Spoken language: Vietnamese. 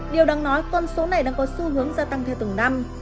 điều đáng nói con số này đang có xu hướng gia tăng theo từng năm